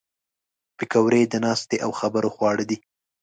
پکورې د ناستې او خبرو خواړه دي